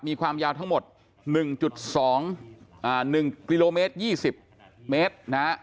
มีความยาวทั้งหมด๑๒๑กิโลเมตร๒๐เมตรนะฮะ